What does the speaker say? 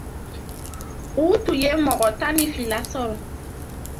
U tun ye mɔgɔ tan ni fila sɔrɔ.